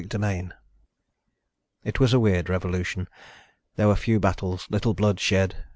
CHAPTER SEVENTEEN It was a weird revolution. There were few battles, little blood shed.